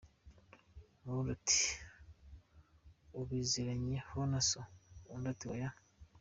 Umurundi, ati “Ubiziranyeho na so ?” Undi, ati “Oya” .